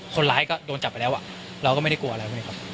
คนร้ายก็โดนจับไปแล้วเราก็ไม่ได้กลัวอะไรพวกนี้ครับ